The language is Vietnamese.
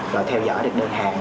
rồi theo dõi được đơn hàng